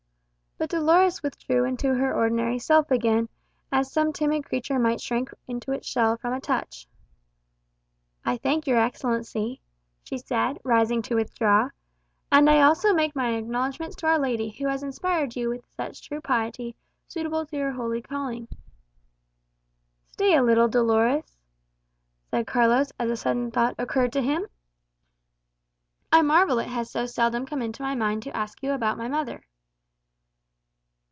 But Dolores withdrew into her ordinary self again, as some timid creature might shrink into its shell from a touch. "I thank your Excellency," she said, rising to withdraw, "and I also make my acknowledgments to Our Lady, who has inspired you with such true piety, suitable to your holy calling." "Stay a little, Dolores," said Carlos, as a sudden thought occurred to him; "I marvel it has so seldom come into my mind to ask you about my mother."